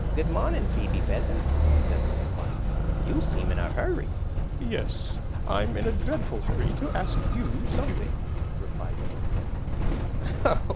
"Good morning, Phoebe Pheasant," said the little bunny. "You seem in a hurry." "Yes, I'm in a dreadful hurry to ask you something," replied the little pheasant.